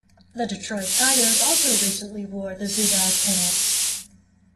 The Detroit Tigers also recently wore the Zubaz pants.